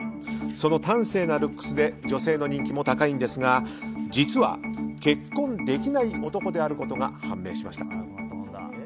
その端正なルックスで女性の人気も高いんですが実は結婚できない男であることが判明しました。